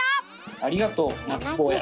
ありがとうナッツ坊や。